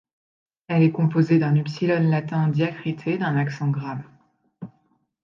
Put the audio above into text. Elle est composée d’un upsilon latin diacrité d’un accent grave.